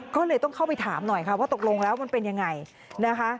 ก็เลยต้องเข้าไปถามหน่อยค่ะว่าตกลงแล้วมันเป็นยังไงนะคะ